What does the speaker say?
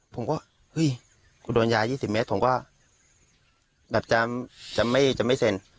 ผมก็เฮ้ยกูโดนยา๒๐เมตรผมก็แบบจะไม่เซ็น